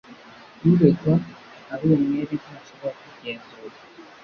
Uregwa ari umwere ntashobora kugenzurwa.